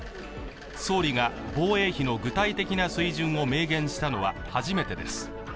総理が防衛費の具体的な水準を明言したのは初めてです。